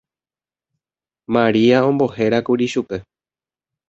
Maria ombohérakuri chupe.